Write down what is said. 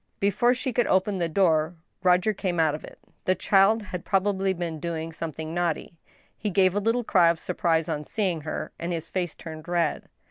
Before she could open the door, Roger came out of it. The child had probably been doing something naughty. He gave a little cry of surprise on seeing her, and his face turned red.